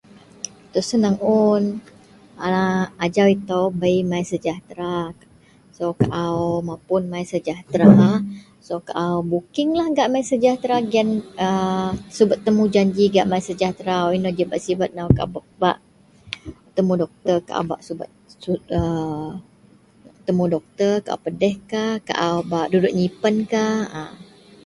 itou senang un, a ajau itou bei my sejahtera so au mapun my sejahtera so au bookinglah gak my sejahtera gien, a subet temujanji gak my sejahtera wak inou ji bak sibet nou, au bak petemu doktor, au bak subet a temu doktor au pedihkah, au bak dudut nyipenkah a